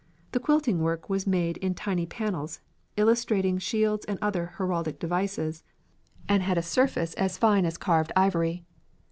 The quilting work was made in tiny panels, illustrating shields and other heraldic devices, and had a surface as fine as carved ivory.